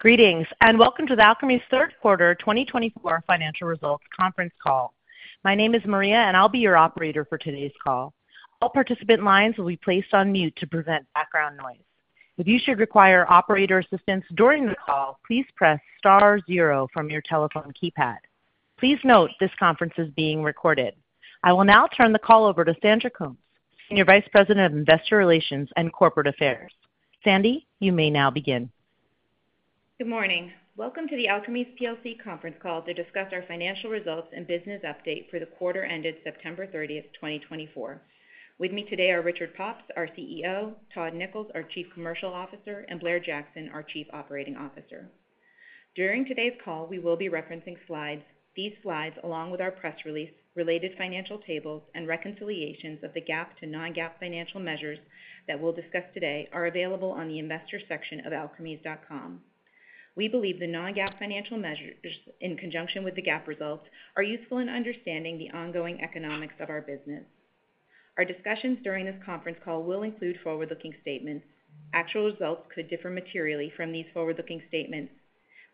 Greetings, and welcome to the Alkermes' Third Quarter 2024 Financial Results Conference Call. My name is Maria, and I'll be your operator for today's call. All participant lines will be placed on mute to prevent background noise. If you should require operator assistance during the call, please press star zero from your telephone keypad. Please note, this conference is being recorded. I will now turn the call over to Sandra Coombs, Senior Vice President of Investor Relations and Corporate Affairs. Sandy, you may now begin. Good morning. Welcome to the Alkermes plc Conference Call to discuss our financial results and business update for the quarter ended 30 September 2024. With me today are Richard Pops, our CEO, Todd Nichols, our Chief Commercial Officer, and Blair Jackson, our Chief Operating Officer. During today's call, we will be referencing slides. These slides, along with our press release, related financial tables, and reconciliations of the GAAP to non-GAAP financial measures that we'll discuss today, are available on the Investors section of alkermes.com. We believe the non-GAAP financial measures, in conjunction with the GAAP results, are useful in understanding the ongoing economics of our business. Our discussions during this conference call will include forward-looking statements. Actual results could differ materially from these forward-looking statements.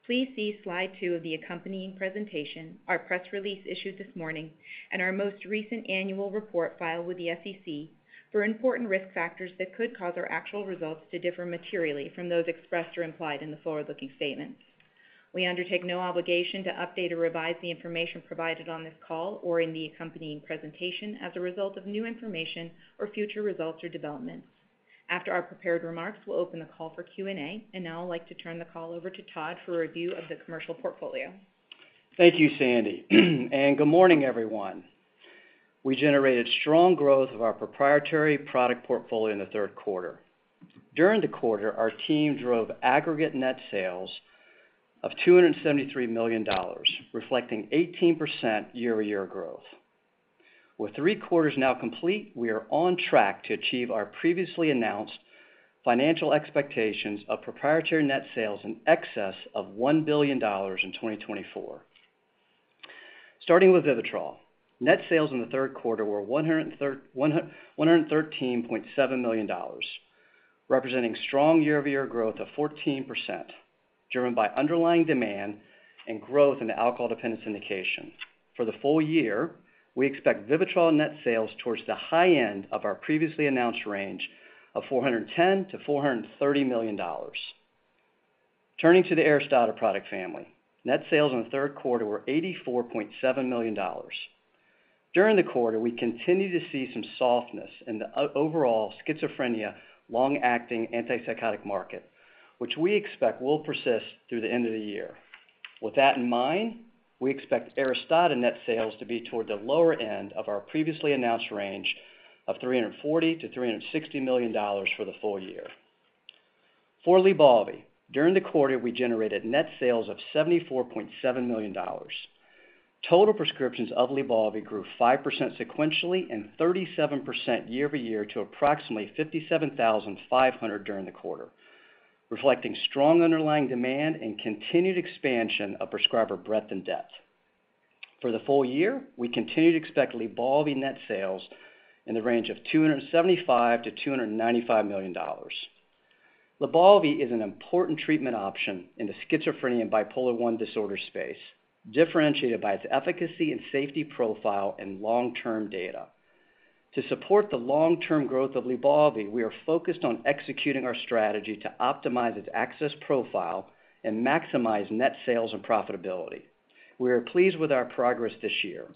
Please see slide two of the accompanying presentation, our press release issued this morning, and our most recent annual report filed with the SEC for important risk factors that could cause our actual results to differ materially from those expressed or implied in the forward-looking statements. We undertake no obligation to update or revise the information provided on this call or in the accompanying presentation as a result of new information or future results or developments. After our prepared remarks, we'll open the call for Q&A, and now I'd like to turn the call over to Todd for a review of the commercial portfolio. Thank you, Sandy, and good morning, everyone. We generated strong growth of our proprietary product portfolio in the third quarter. During the quarter, our team drove aggregate net sales of $273 million, reflecting 18% year-over-year growth. With three quarters now complete, we are on track to achieve our previously announced financial expectations of proprietary net sales in excess of $1 billion in 2024. Starting with VIVITROL, net sales in the third quarter were $113.7 million, representing strong year-over-year growth of 14%, driven by underlying demand and growth in the alcohol dependence indication. For the full year, we expect VIVITROL net sales towards the high end of our previously announced range of $410 million-$430 million. Turning to the ARISTADA product family, net sales in the third quarter were $84.7 million. During the quarter, we continued to see some softness in the overall schizophrenia long-acting antipsychotic market, which we expect will persist through the end of the year. With that in mind, we expect ARISTADA net sales to be toward the lower end of our previously announced range of $340 million to $360 million for the full year. For LYBALVI, during the quarter, we generated net sales of $74.7 million. Total prescriptions of LYBALVI grew 5% sequentially and 37% year-over-year to approximately 57,500 during the quarter, reflecting strong underlying demand and continued expansion of prescriber breadth and depth. For the full year, we continue to expect LYBALVI net sales in the range of $275 million-$295 million. LYBALVI is an important treatment option in the schizophrenia and bipolar I disorder space, differentiated by its efficacy and safety profile and long-term data. To support the long-term growth of LYBALVI, we are focused on executing our strategy to optimize its access profile and maximize net sales and profitability. We are pleased with our progress this year.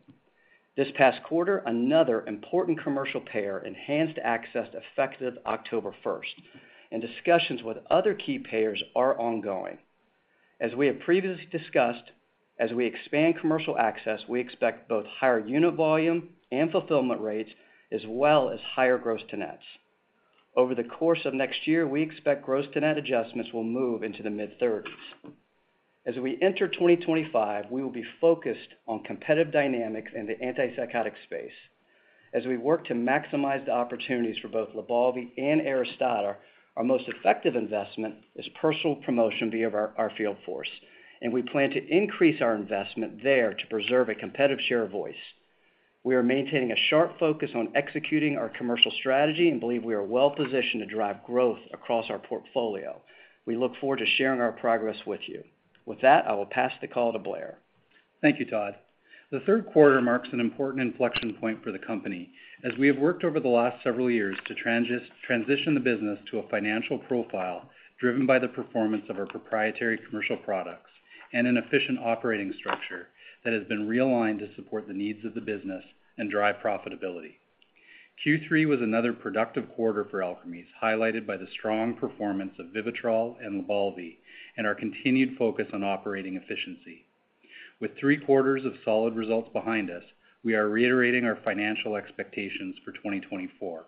This past quarter, another important commercial payer enhanced access effective October first, and discussions with other key payers are ongoing. As we have previously discussed, as we expand commercial access, we expect both higher unit volume and fulfillment rates, as well as higher gross-to-net. Over the course of next year, we expect gross-to-net adjustments will move into the mid-thirties. As we enter 2025, we will be focused on competitive dynamics in the antipsychotic space. As we work to maximize the opportunities for both LYBALVI and ARISTADA, our most effective investment is personal promotion via our field force, and we plan to increase our investment there to preserve a competitive share voice. We are maintaining a sharp focus on executing our commercial strategy and believe we are well-positioned to drive growth across our portfolio. We look forward to sharing our progress with you. With that, I will pass the call to Blair. Thank you, Todd. The third quarter marks an important inflection point for the company, as we have worked over the last several years to transition the business to a financial profile driven by the performance of our proprietary commercial products and an efficient operating structure that has been realigned to support the needs of the business and drive profitability. Q3 was another productive quarter for Alkermes, highlighted by the strong performance of VIVITROL and LYBALVI and our continued focus on operating efficiency. With three quarters of solid results behind us, we are reiterating our financial expectations for 2024.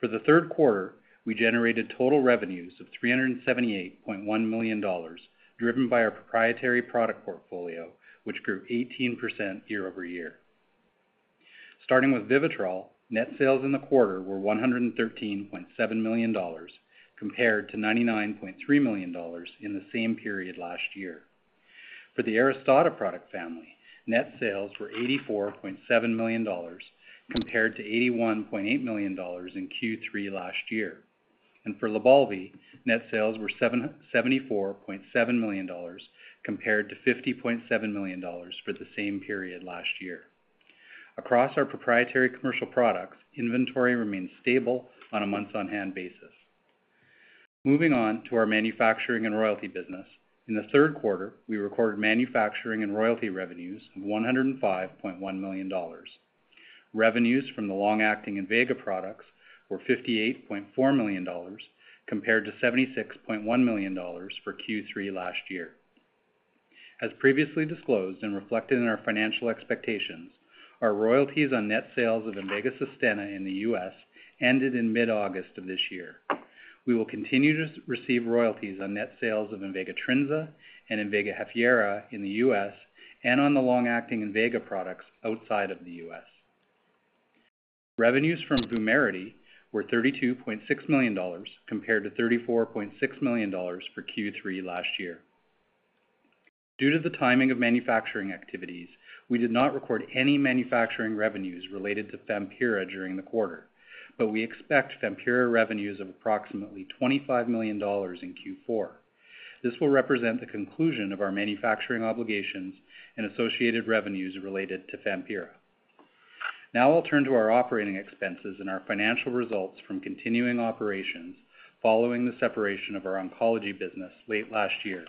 For the third quarter, we generated total revenues of $378.1 million, driven by our proprietary product portfolio, which grew 18% year-over-year. Starting with VIVITROL, net sales in the quarter were $113.7 million, compared to $99.3 million in the same period last year. For the ARISTADA product family, net sales were $84.7 million compared to $81.8 million in Q3 last year. And for LYBALVI, net sales were $74.7 million, compared to $50.7 million for the same period last year. Across our proprietary commercial products, inventory remains stable on a months on hand basis. Moving on to our manufacturing and royalty business. In the third quarter, we recorded manufacturing and royalty revenues of $105.1 million. Revenues from the long-acting INVEGA products were $58.4 million, compared to $76.1 million for Q3 last year. As previously disclosed and reflected in our financial expectations, our royalties on net sales of Invega Sustenna in the U.S. ended in mid-August of this year. We will continue to receive royalties on net sales of Invega Trinza and Invega Hafyera in the U.S., and on the long-acting Invega products outside of the U.S. Revenues from VUMERITY were $32.6 million, compared to $34.6 million for Q3 last year. Due to the timing of manufacturing activities, we did not record any manufacturing revenues related to Fanapt during the quarter, but we expect Fanapt revenues of approximately $25 million in Q4. This will represent the conclusion of our manufacturing obligations and associated revenues related to Fanapt. Now I'll turn to our operating expenses and our financial results from continuing operations following the separation of our oncology business late last year.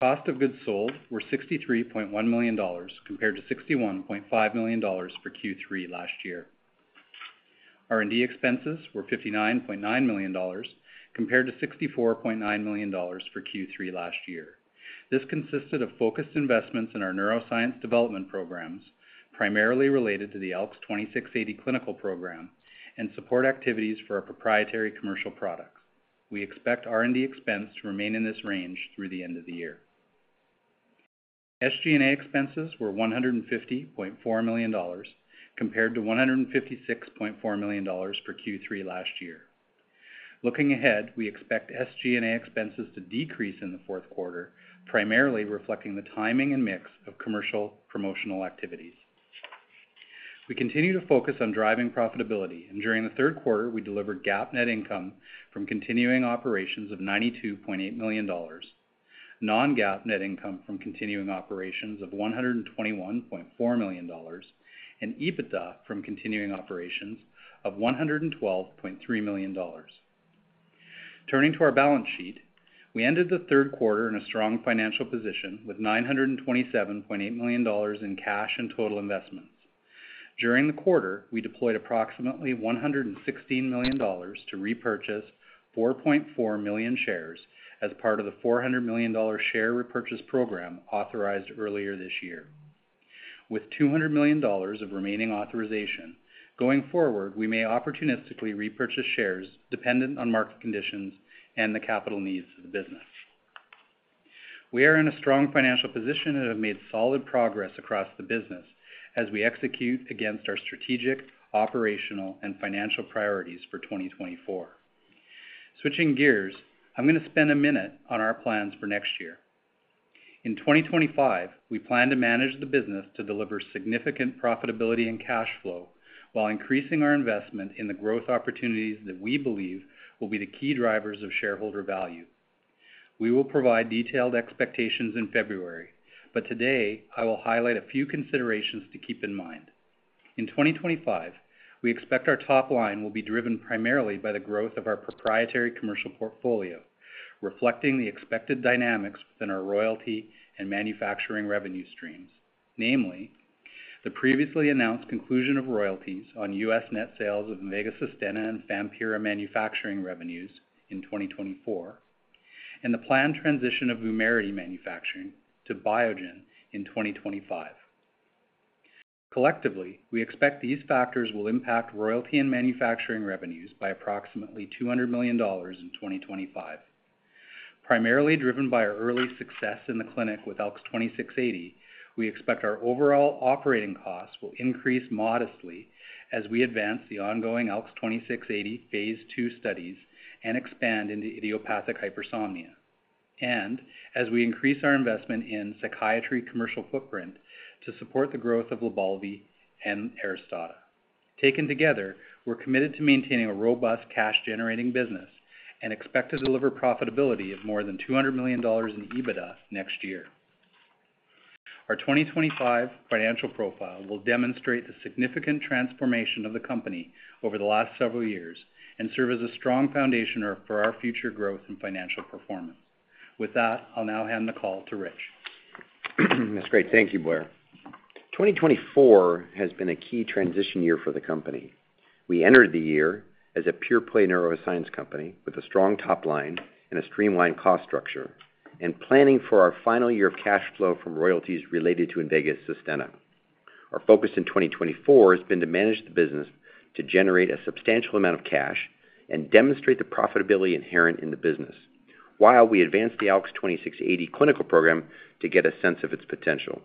Cost of goods sold were $63.1 million, compared to $61.5 million for Q3 last year. R&D expenses were $59.9 million, compared to $64.9 million for Q3 last year. This consisted of focused investments in our neuroscience development programs, primarily related to the ALKS 2680 clinical program and support activities for our proprietary commercial products. We expect R&D expense to remain in this range through the end of the year. SG&A expenses were $150.4 million, compared to $156.4 million for Q3 last year. Looking ahead, we expect SG&A expenses to decrease in the fourth quarter, primarily reflecting the timing and mix of commercial promotional activities. We continue to focus on driving profitability, and during the third quarter, we delivered GAAP net income from continuing operations of $92.8 million, non-GAAP net income from continuing operations of $121.4 million, and EBITDA from continuing operations of $112.3 million. Turning to our balance sheet, we ended the third quarter in a strong financial position with $927.8 million in cash and total investments. During the quarter, we deployed approximately $116 million to repurchase 4.4 million shares as part of the $400 million share repurchase program authorized earlier this year. With $200 million of remaining authorization, going forward, we may opportunistically repurchase shares dependent on market conditions and the capital needs of the business. We are in a strong financial position and have made solid progress across the business as we execute against our strategic, operational, and financial priorities for 2024. Switching gears, I'm going to spend a minute on our plans for next year. In 2025, we plan to manage the business to deliver significant profitability and cash flow, while increasing our investment in the growth opportunities that we believe will be the key drivers of shareholder value. We will provide detailed expectations in February, but today I will highlight a few considerations to keep in mind. In 2025, we expect our top line will be driven primarily by the growth of our proprietary commercial portfolio, reflecting the expected dynamics within our royalty and manufacturing revenue streams, namely, the previously announced conclusion of royalties on U.S. net sales of Invega Sustenna and Fanapt manufacturing revenues in 2024, and the planned transition of VUMERITY manufacturing to Biogen in 2025. Collectively, we expect these factors will impact royalty and manufacturing revenues by approximately $200 million in 2025. Primarily driven by our early success in the clinic with ALKS 2680, we expect our overall operating costs will increase modestly as we advance the ongoing ALKS 2680 phase II studies and expand into idiopathic hypersomnia, and as we increase our investment in psychiatry commercial footprint to support the growth of LYBALVI and ARISTADA. Taken together, we're committed to maintaining a robust cash-generating business and expect to deliver profitability of more than $200 million in EBITDA next year. Our 2025 financial profile will demonstrate the significant transformation of the company over the last several years and serve as a strong foundation for our future growth and financial performance. With that, I'll now hand the call to Rich. That's great. Thank you, Blair. 2024 has been a key transition year for the company. We entered the year as a pure-play neuroscience company with a strong top line and a streamlined cost structure, and planning for our final year of cash flow from royalties related to Invega Sustenna. Our focus in 2024 has been to manage the business to generate a substantial amount of cash and demonstrate the profitability inherent in the business, while we advance the ALKS 2680 clinical program to get a sense of its potential...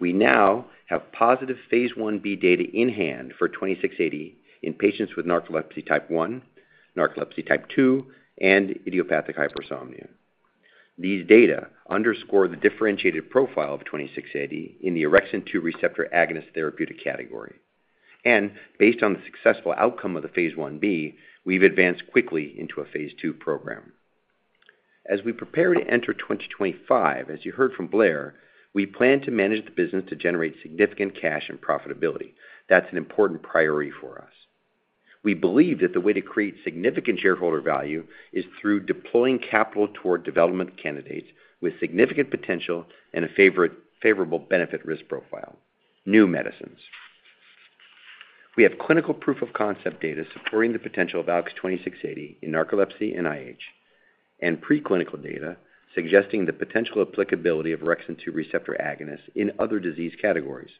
We now have positive phase 1b data in hand for ALKS 2680 in patients with narcolepsy Type 1, narcolepsy Type 2, and idiopathic hypersomnia. These data underscore the differentiated profile of ALKS 2680 in the orexin-2 receptor agonist therapeutic category. And based on the successful outcome of the phase 1b, we've advanced quickly into a phase II program. As we prepare to enter 2025, as you heard from Blair, we plan to manage the business to generate significant cash and profitability. That's an important priority for us. We believe that the way to create significant shareholder value is through deploying capital toward development candidates with significant potential and a favorable benefit risk profile, new medicines. We have clinical proof of concept data supporting the potential of ALKS 2680 in narcolepsy and IH, and preclinical data suggesting the potential applicability of orexin-2 receptor agonists in other disease categories.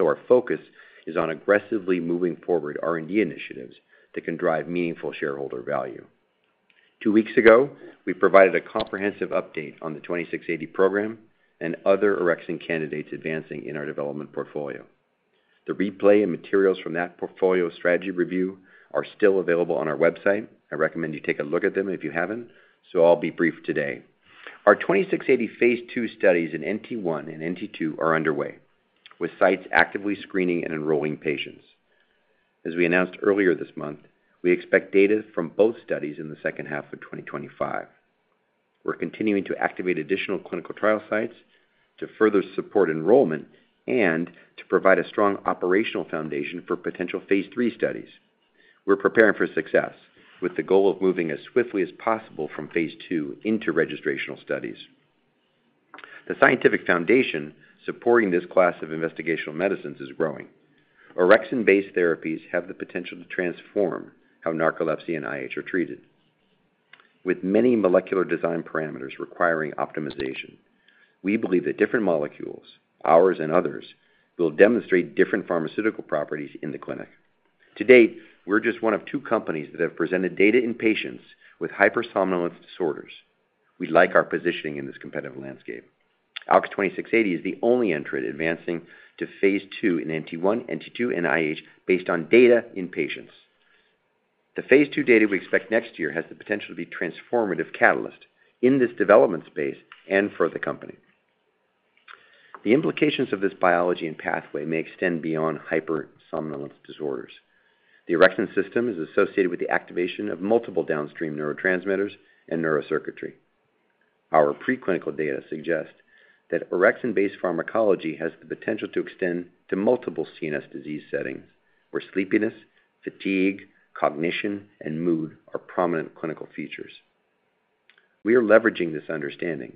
Our focus is on aggressively moving forward R&D initiatives that can drive meaningful shareholder value. Two weeks ago, we provided a comprehensive update on the 2680 program and other orexin candidates advancing in our development portfolio. The replay and materials from that portfolio strategy review are still available on our website. I recommend you take a look at them if you haven't, so I'll be brief today. Our ALKS 2680 phase II studies in NT1 and NT2 are underway, with sites actively screening and enrolling patients. As we announced earlier this month, we expect data from both studies in the second half of 2025. We're continuing to activate additional clinical trial sites to further support enrollment and to provide a strong operational foundation for potential phase III studies. We're preparing for success, with the goal of moving as swiftly as possible from phase II into registrational studies. The scientific foundation supporting this class of investigational medicines is growing. Orexin-based therapies have the potential to transform how narcolepsy and IH are treated. With many molecular design parameters requiring optimization, we believe that different molecules, ours and others, will demonstrate different pharmaceutical properties in the clinic. To date, we're just one of two companies that have presented data in patients with hypersomnolence disorders. We like our positioning in this competitive landscape. ALKS 2680 is the only entrant advancing to phase II in NT1, NT2, and IH based on data in patients. The phase II data we expect next year has the potential to be a transformative catalyst in this development space and for the company. The implications of this biology and pathway may extend beyond hypersomnolence disorders. The orexin system is associated with the activation of multiple downstream neurotransmitters and neurocircuitry. Our preclinical data suggest that orexin-based pharmacology has the potential to extend to multiple CNS disease settings, where sleepiness, fatigue, cognition, and mood are prominent clinical features. We are leveraging this understanding,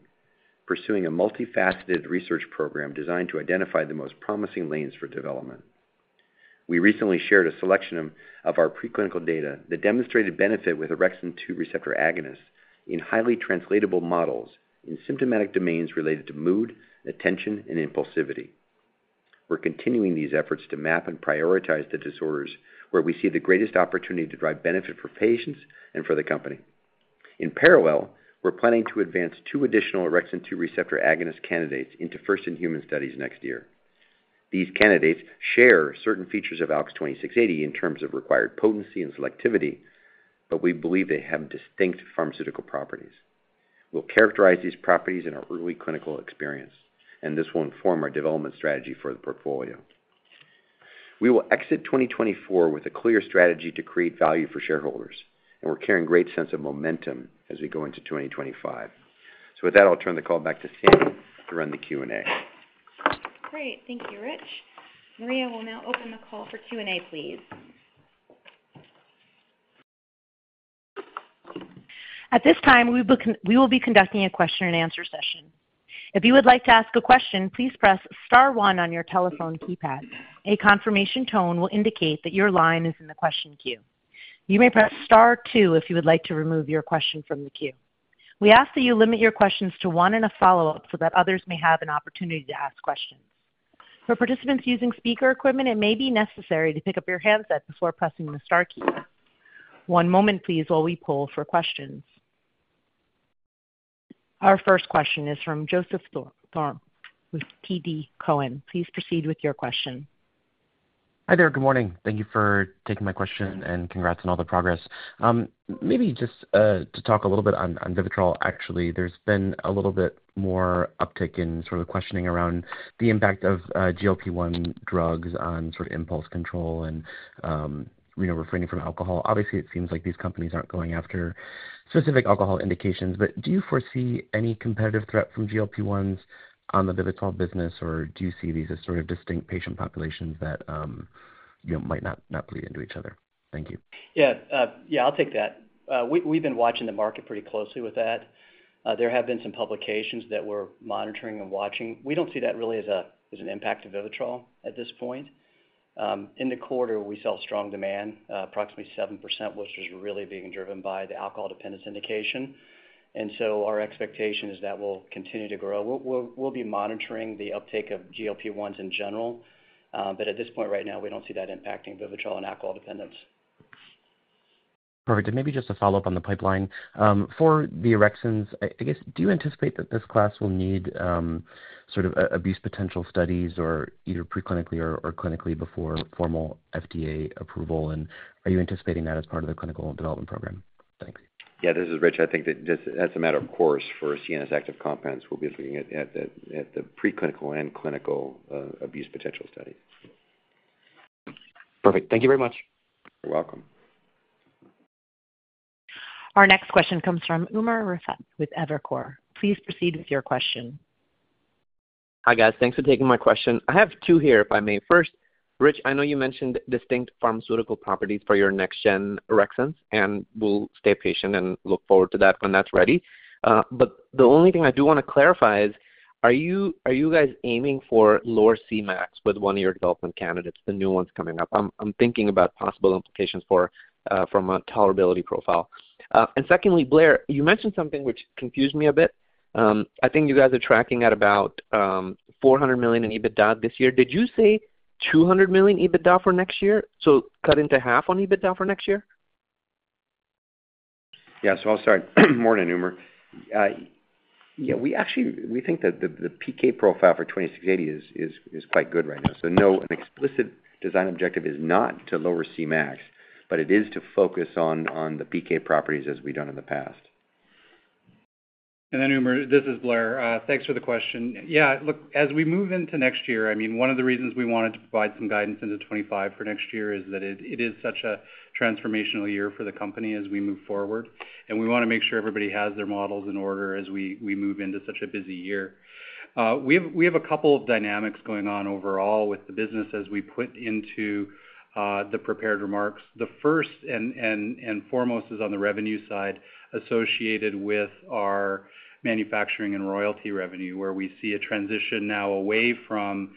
pursuing a multifaceted research program designed to identify the most promising lanes for development. We recently shared a selection of our preclinical data that demonstrated benefit with orexin-2 receptor agonists in highly translatable models in symptomatic domains related to mood, attention, and impulsivity. We're continuing these efforts to map and prioritize the disorders where we see the greatest opportunity to drive benefit for patients and for the company. In parallel, we're planning to advance two additional orexin-2 receptor agonist candidates into first-in-human studies next year. These candidates share certain features of ALKS 2680 in terms of required potency and selectivity, but we believe they have distinct pharmaceutical properties. We'll characterize these properties in our early clinical experience, and this will inform our development strategy for the portfolio. We will exit 2024 with a clear strategy to create value for shareholders, and we're carrying great sense of momentum as we go into 2025. So with that, I'll turn the call back to Sandy to run the Q&A. Great. Thank you, Rich. Maria will now open the call for Q&A, please. At this time, we will be conducting a question-and-answer session. If you would like to ask a question, please press star one on your telephone keypad. A confirmation tone will indicate that your line is in the question queue. You may press star two if you would like to remove your question from the queue. We ask that you limit your questions to one and a follow-up so that others may have an opportunity to ask questions. For participants using speaker equipment, it may be necessary to pick up your handset before pressing the star key. One moment, please, while we poll for questions. Our first question is from Joseph Thome, Thome with TD Cowen. Please proceed with your question. Hi there. Good morning. Thank you for taking my question, and congrats on all the progress. Maybe just to talk a little bit on VIVITROL. Actually, there's been a little bit more uptick in sort of questioning around the impact of GLP-1 drugs on sort of impulse control and you know, refraining from alcohol. Obviously, it seems like these companies aren't going after specific alcohol indications, but do you foresee any competitive threat from GLP-1s on the VIVITROL business? Or do you see these as sort of distinct patient populations that you know, might not play into each other? Thank you. Yeah. I'll take that. We, we've been watching the market pretty closely with that. There have been some publications that we're monitoring and watching. We don't see that really as an impact to VIVITROL at this point. In the quarter, we saw strong demand, approximately 7%, which was really being driven by the alcohol dependence indication. And so our expectation is that will continue to grow. We'll be monitoring the uptake of GLP-1s in general, but at this point, right now, we don't see that impacting VIVITROL and alcohol dependence.... Perfect, and maybe just a follow-up on the pipeline. For the orexins, I guess, do you anticipate that this class will need sort of abuse potential studies or either preclinically or clinically before formal FDA approval? And are you anticipating that as part of the clinical development program? Thanks. Yeah, this is Rich. I think that just as a matter of course for CNS active compounds, we'll be looking at the preclinical and clinical abuse potential studies. Perfect. Thank you very much. You're welcome. Our next question comes from Umer Raffat with Evercore. Please proceed with your question. Hi, guys. Thanks for taking my question. I have two here, if I may. First, Rich, I know you mentioned distinct pharmaceutical properties for your next gen orexins, and we'll stay patient and look forward to that when that's ready. But the only thing I do wanna clarify is, are you guys aiming for lower Cmax with one of your development candidates, the new ones coming up? I'm thinking about possible implications for from a tolerability profile. And secondly, Blair, you mentioned something which confused me a bit. I think you guys are tracking at about 400 million in EBITDA this year. Did you say 200 million EBITDA for next year? So cutting to half on EBITDA for next year? Yeah, so I'll start. Morning, Umer. Yeah, we actually, we think that the PK profile for 2680 is quite good right now. So no, an explicit design objective is not to lower Cmax, but it is to focus on the PK properties as we've done in the past. Then Umer, this is Blair. Thanks for the question. Yeah, look, as we move into next year, I mean, one of the reasons we wanted to provide some guidance into 2025 for next year is that it, it is such a transformational year for the company as we move forward, and we wanna make sure everybody has their models in order as we, we move into such a busy year. We have, we have a couple of dynamics going on overall with the business as we put into the prepared remarks. The first and foremost is on the revenue side, associated with our manufacturing and royalty revenue, where we see a transition now away from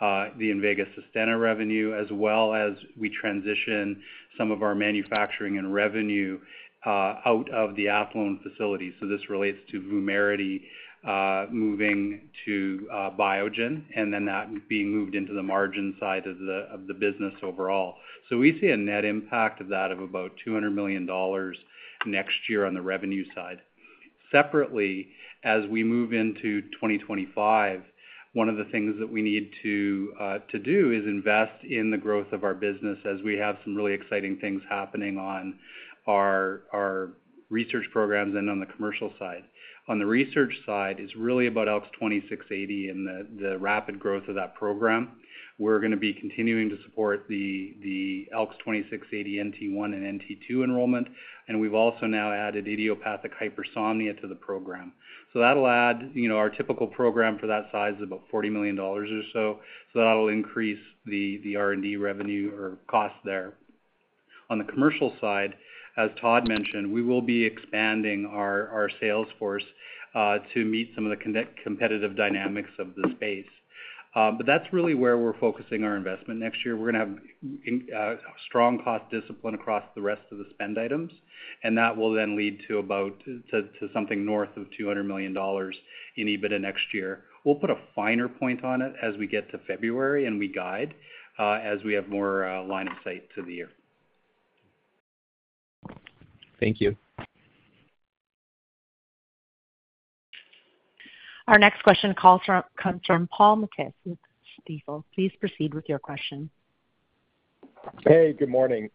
the Invega Sustenna revenue, as well as we transition some of our manufacturing and revenue out of the Athlone facility. This relates to VUMERITY moving to Biogen, and then that being moved into the margin side of the business overall. We see a net impact of that of about $200 million next year on the revenue side. Separately, as we move into 2025, one of the things that we need to do is invest in the growth of our business as we have some really exciting things happening on our research programs and on the commercial side. On the research side, it's really about ALKS 2680 and the rapid growth of that program. We're gonna be continuing to support the ALKS 2680 NT one and NT two enrollment, and we've also now added idiopathic hypersomnia to the program. So that'll add, you know, our typical program for that size is about $40 million or so. So that'll increase the R&D revenue or cost there. On the commercial side, as Todd mentioned, we will be expanding our sales force to meet some of the competitive dynamics of the space. But that's really where we're focusing our investment. Next year, we're gonna have strong cost discipline across the rest of the spend items, and that will then lead to about something north of $200 million in EBITDA next year. We'll put a finer point on it as we get to February and we guide as we have more line of sight to the year. Thank you. Our next question comes from Paul Matteis with Stifel. Please proceed with your question. Hey, good morning.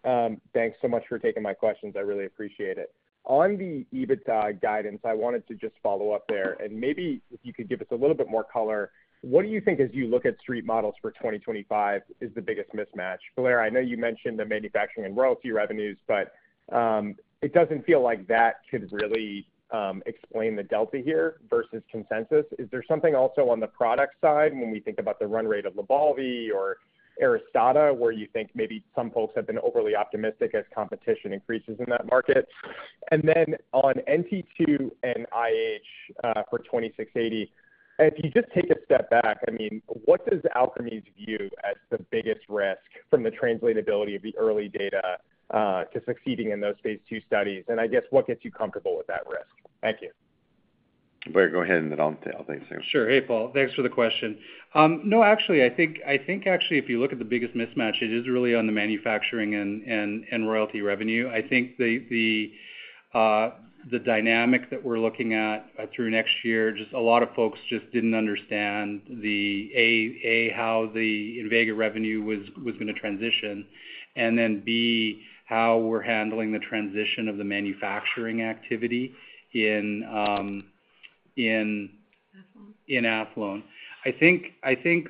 Thanks so much for taking my questions. I really appreciate it. On the EBITDA guidance, I wanted to just follow up there, and maybe if you could give us a little bit more color. What do you think as you look at street models for 2025 is the biggest mismatch? Blair, I know you mentioned the manufacturing and royalty revenues, but it doesn't feel like that could really explain the delta here versus consensus. Is there something also on the product side when we think about the run rate of LYBALVI or ARISTADA, where you think maybe some folks have been overly optimistic as competition increases in that market? And then on NT two and IH, for 2680, if you just take a step back, I mean, what does Alkermes view as the biggest risk from the translatability of the early data, to succeeding in those phase two studies? And I guess, what gets you comfortable with that risk? Thank you. Blair, go ahead, and then I'll detail. Thanks. Sure. Hey, Paul, thanks for the question. No, actually, I think actually, if you look at the biggest mismatch, it is really on the manufacturing and royalty revenue. I think the dynamic that we're looking at through next year, just a lot of folks just didn't understand the, a, how the Invega revenue was gonna transition, and then b, how we're handling the transition of the manufacturing activity in, in- in Athlone. I think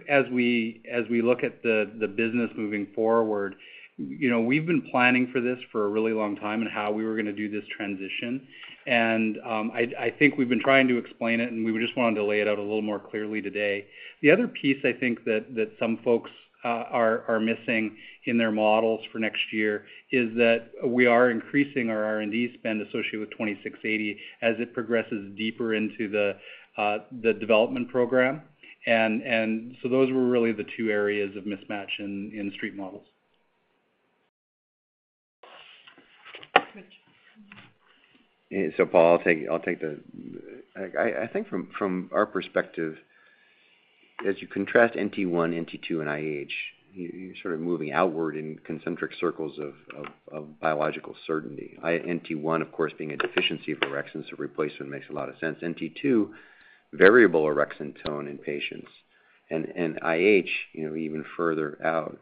as we look at the business moving forward, you know, we've been planning for this for a really long time and how we were gonna do this transition. I think we've been trying to explain it, and we just wanted to lay it out a little more clearly today. The other piece, I think, that some folks are missing in their models for next year is that we are increasing our R&D spend associated with 2680 as it progresses deeper into the development program. So those were really the two areas of mismatch in street models. So Paul, I'll take the. I think from our perspective, as you contrast NT one, NT two, and IH, you're sort of moving outward in concentric circles of biological certainty. NT one, of course, being a deficiency of orexins, so replacement makes a lot of sense. NT two, variable orexin tone in patients, and IH, you know, even further out.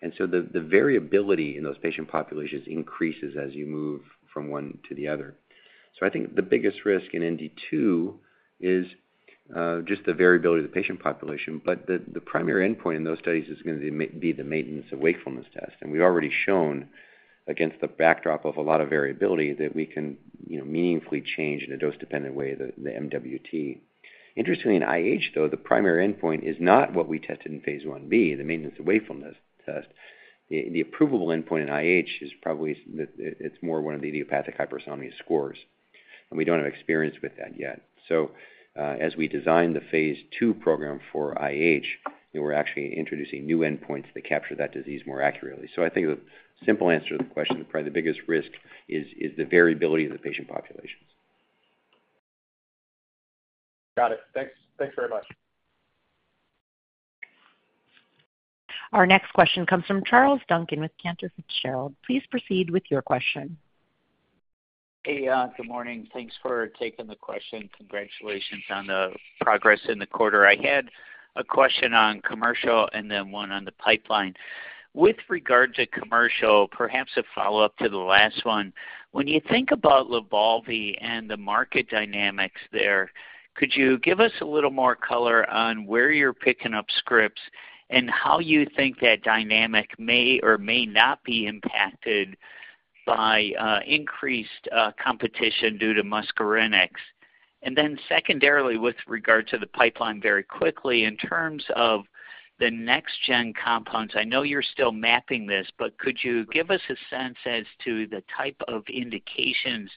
And so the variability in those patient populations increases as you move from one to the other. So I think the biggest risk in NT two is just the variability of the patient population, but the primary endpoint in those studies is going to be the Maintenance of Wakefulness Test. And we've already shown against the backdrop of a lot of variability, that we can, you know, meaningfully change in a dose-dependent way, the MWT. Interestingly, in IH, though, the primary endpoint is not what we tested in phase Ib, the maintenance of wakefulness test. The approvable endpoint in IH is probably, it's more one of the idiopathic hypersomnia scores, and we don't have experience with that yet. So, as we design the phase II program for IH, we're actually introducing new endpoints that capture that disease more accurately. So I think the simple answer to the question, probably the biggest risk is, is the variability of the patient populations. Got it. Thanks. Thanks very much. Our next question comes from Charles Duncan with Cantor Fitzgerald. Please proceed with your question. Hey, good morning. Thanks for taking the question. Congratulations on the progress in the quarter. I had a question on commercial and then one on the pipeline. With regards to commercial, perhaps a follow-up to the last one. When you think about LYBALVI and the market dynamics there, could you give us a little more color on where you're picking up scripts and how you think that dynamic may or may not be impacted by increased competition due to muscarinic? And then secondarily, with regard to the pipeline very quickly, in terms of the next-gen compounds, I know you're still mapping this, but could you give us a sense as to the type of indications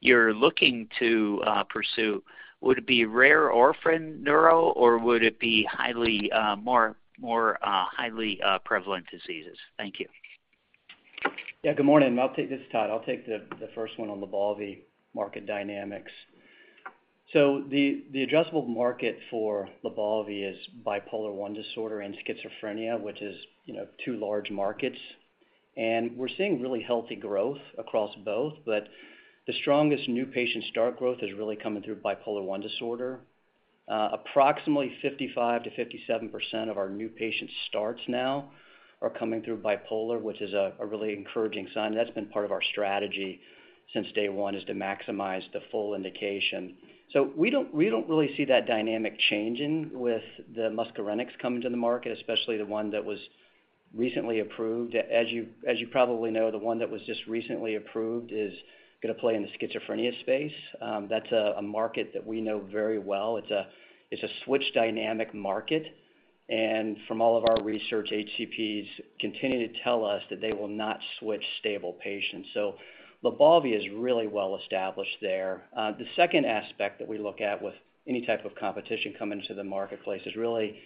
you're looking to pursue? Would it be rare orphan neuro, or would it be more highly prevalent diseases? Thank you. Yeah, good morning. I'll take this, Todd. I'll take the first one on LYBALVI market dynamics. So the addressable market for LYBALVI is bipolar I disorder and schizophrenia, which is, you know, two large markets. And we're seeing really healthy growth across both, but the strongest new patient start growth is really coming through bipolar I disorder. Approximately 55-57% of our new patient starts now are coming through bipolar, which is a really encouraging sign. That's been part of our strategy since day one, is to maximize the full indication. So we don't really see that dynamic changing with the muscarinic coming to the market, especially the one that was recently approved. As you probably know, the one that was just recently approved is going to play in the schizophrenia space. That's a market that we know very well. It's a switch dynamic market, and from all of our research, HCPs continue to tell us that they will not switch stable patients. So LYBALVI is really well established there. The second aspect that we look at with any type of competition coming to the marketplace is really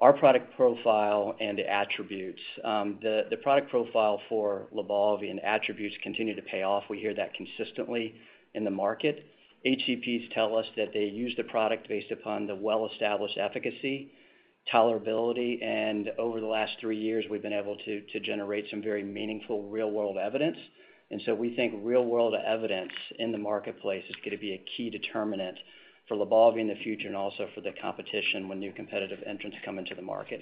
our product profile and the attributes. The product profile for LYBALVI and attributes continue to pay off. We hear that consistently in the market. HCPs tell us that they use the product based upon the well-established efficacy, tolerability, and over the last three years, we've been able to generate some very meaningful real-world evidence. And so we think real-world evidence in the marketplace is going to be a key determinant for LYBALVI in the future and also for the competition when new competitive entrants come into the market.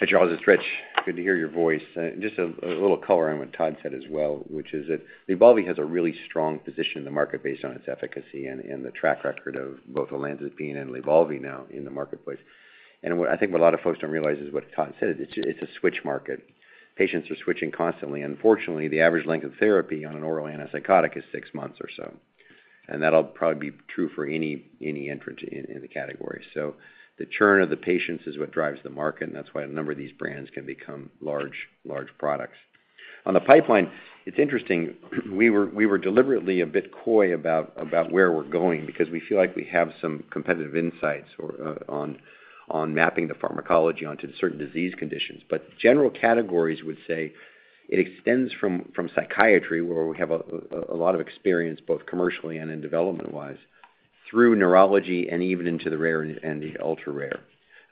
Hey, Charles, it's Rich. Good to hear your voice. Just a little color on what Todd said as well, which is that LYBALVI has a really strong position in the market based on its efficacy and the track record of both olanzapine and LYBALVI now in the marketplace. What I think a lot of folks don't realize is what Todd said. It's a switch market. Patients are switching constantly. Unfortunately, the average length of therapy on an oral antipsychotic is six months or so, and that'll probably be true for any entrant in the category. So the churn of the patients is what drives the market, and that's why a number of these brands can become large products. On the pipeline, it's interesting, we were, we were deliberately a bit coy about, about where we're going because we feel like we have some competitive insights or, on, on mapping the pharmacology onto certain disease conditions. But general categories would say it extends from, from psychiatry, where we have a, a lot of experience, both commercially and in development-wise, through neurology and even into the rare and the ultra-rare,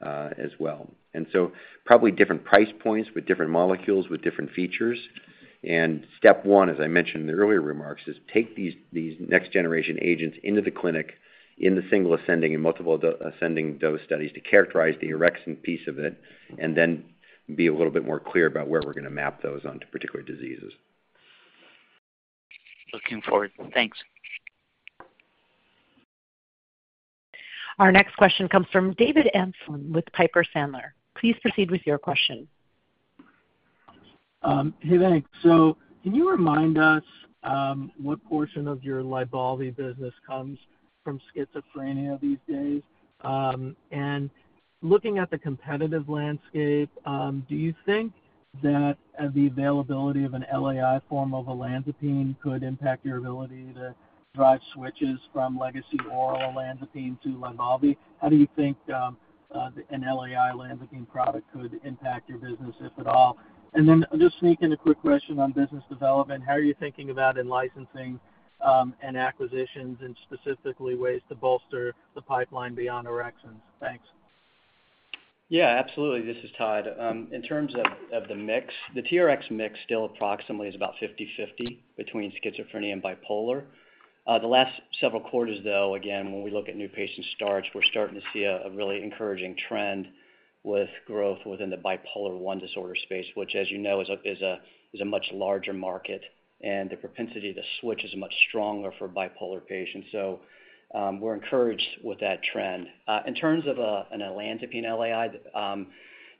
as well. And so probably different price points with different molecules, with different features. And step one, as I mentioned in the earlier remarks, is take these, these next generation agents into the clinic, in the single ascending and multiple ascending dose studies to characterize the orexin piece of it, and then be a little bit more clear about where we're going to map those onto particular diseases. Looking forward. Thanks. Our next question comes from David Amsellem with Piper Sandler. Please proceed with your question. Hey, thanks. So can you remind us what portion of your LYBALVI business comes from schizophrenia these days? And looking at the competitive landscape, do you think... that the availability of an LAI form of olanzapine could impact your ability to drive switches from legacy oral olanzapine to LYBALVI. How do you think an LAI olanzapine product could impact your business, if at all? And then just sneak in a quick question on business development. How are you thinking about in licensing and acquisitions, and specifically ways to bolster the pipeline beyond orexins? Thanks. Yeah, absolutely. This is Todd. In terms of the mix, the TRx mix still approximately is about 50-50 between schizophrenia and bipolar. The last several quarters, though, again, when we look at new patient starts, we're starting to see a really encouraging trend with growth within the bipolar I disorder space, which, as you know, is a much larger market, and the propensity to switch is much stronger for bipolar patients. So, we're encouraged with that trend. In terms of an olanzapine LAI,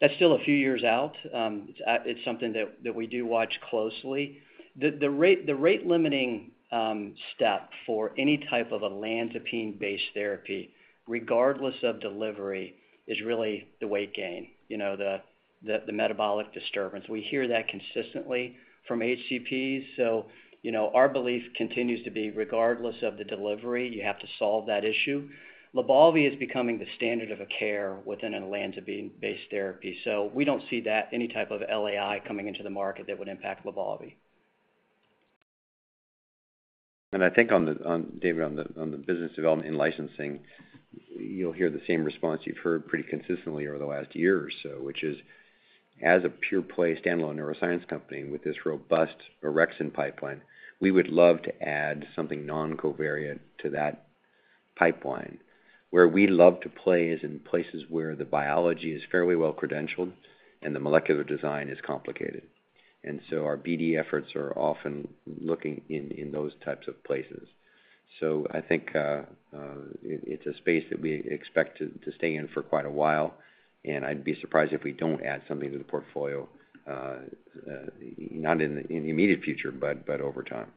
that's still a few years out. It's something that we do watch closely. The rate-limiting step for any type of olanzapine-based therapy, regardless of delivery, is really the weight gain, you know, the metabolic disturbance. We hear that consistently from HCPs. So, you know, our belief continues to be, regardless of the delivery, you have to solve that issue. LYBALVI is becoming the standard of care within an olanzapine-based therapy. So we don't see that any type of LAI coming into the market that would impact LYBALVI. And I think on the business development and licensing, David, you'll hear the same response you've heard pretty consistently over the last year or so, which is, as a pure play standalone neuroscience company with this robust orexin pipeline, we would love to add something non-covalent to that pipeline. Where we love to play is in places where the biology is fairly well credentialed and the molecular design is complicated. And so our BD efforts are often looking in those types of places. So I think it's a space that we expect to stay in for quite a while, and I'd be surprised if we don't add something to the portfolio, not in the immediate future, but over time.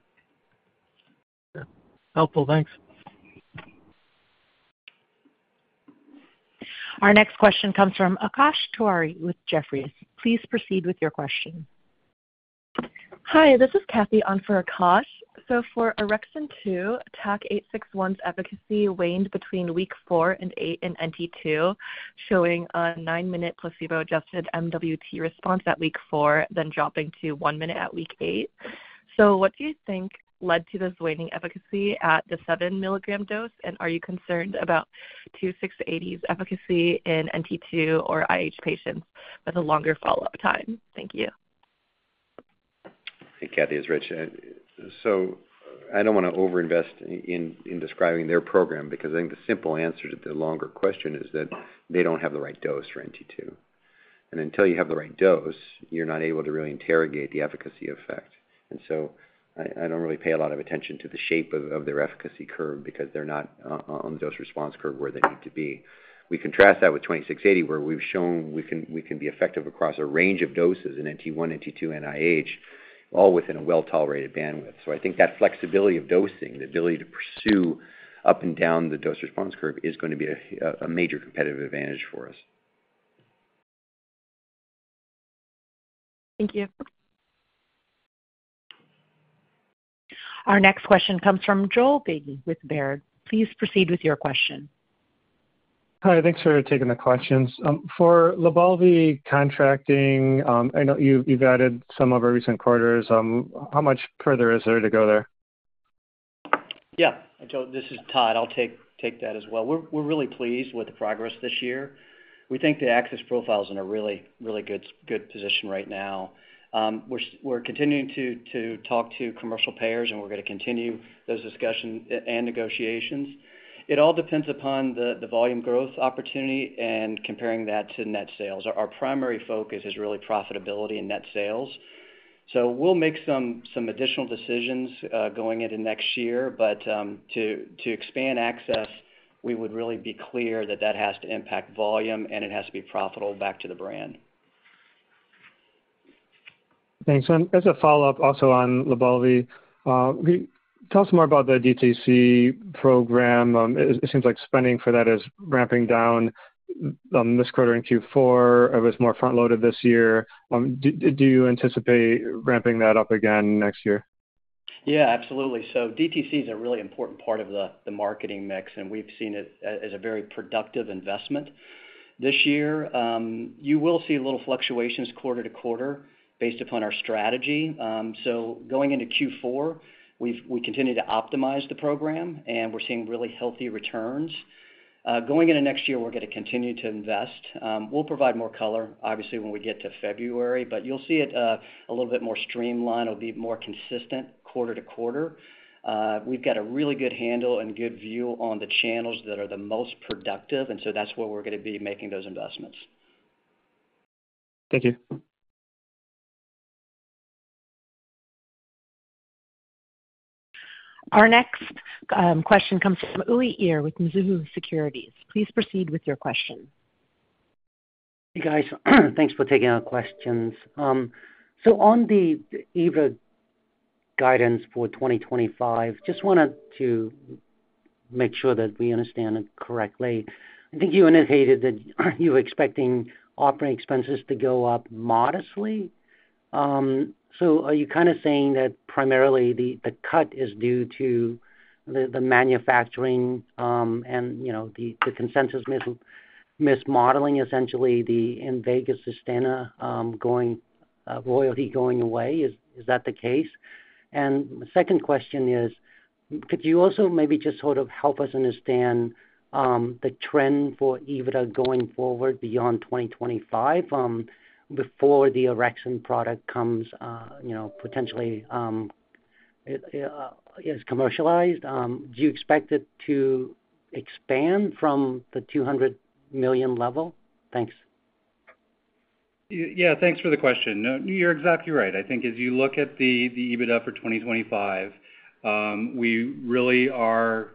Helpful. Thanks. Our next question comes from Akash Tewari with Jefferies. Please proceed with your question. Hi, this is Kathy on for Akash. So for Orexin-2, TAK-861's efficacy waned between week four and eight in NT2, showing a nine-minute placebo-adjusted MWT response at week four, then dropping to one minute at week eight. So what do you think led to this waning efficacy at the seven-milligram dose, and are you concerned about 2680's efficacy in NT two or IH patients with a longer follow-up time? Thank you. Hey, Kathy, it's Rich. So I don't want to overinvest in describing their program because I think the simple answer to the longer question is that they don't have the right dose for NT two. And until you have the right dose, you're not able to really interrogate the efficacy effect. And so I don't really pay a lot of attention to the shape of their efficacy curve because they're not on the dose response curve where they need to be. We contrast that with 2680, where we've shown we can be effective across a range of doses in NT one, NT two, NIH, all within a well-tolerated bandwidth. So I think that flexibility of dosing, the ability to pursue up and down the dose-response curve, is going to be a major competitive advantage for us. Thank you. Our next question comes from Joel Beatty with Baird. Please proceed with your question. Hi, thanks for taking the questions. For LYBALVI contracting, I know you've added some of our recent quarters. How much further is there to go there? Yeah. And Joel, this is Todd. I'll take that as well. We're really pleased with the progress this year. We think the access profile is in a really good position right now. We're continuing to talk to commercial payers, and we're going to continue those discussions and negotiations. It all depends upon the volume growth opportunity and comparing that to net sales. Our primary focus is really profitability and net sales. So we'll make some additional decisions going into next year, but to expand access, we would really be clear that that has to impact volume, and it has to be profitable back to the brand. Thanks. And as a follow-up, also on LYBALVI, tell us more about the DTC program. It seems like spending for that is ramping down this quarter in Q4. It was more front-loaded this year. Do you anticipate ramping that up again next year? Yeah, absolutely. So DTC is a really important part of the marketing mix, and we've seen it as a very productive investment this year. You will see little fluctuations quarter-to-quarter based upon our strategy. So going into Q4, we continue to optimize the program, and we're seeing really healthy returns. Going into next year, we're going to continue to invest. We'll provide more color, obviously, when we get to February, but you'll see it a little bit more streamlined. It'll be more consistent quarter-to-quarter. We've got a really good handle and good view on the channels that are the most productive, and so that's where we're going to be making those investments. Thank you. Our next question comes from Uy Ear with Mizuho Securities. Please proceed with your question. Hey, guys. Thanks for taking our questions. So on the ARISTADA guidance for 2025. Just wanted to make sure that we understand it correctly. I think you indicated that you were expecting operating expenses to go up modestly. So are you kind of saying that primarily the cut is due to the manufacturing, and, you know, the consensus mismodeling, essentially, the Invega Sustenna royalty going away? Is that the case? And the second question is, could you also maybe just sort of help us understand the trend for EBITDA going forward beyond 2025, before the Orexin product comes, you know, potentially is commercialized? Do you expect it to expand from the $200 million level? Thanks. Yeah, thanks for the question. No, you're exactly right. I think as you look at the EBITDA for 2025, we really are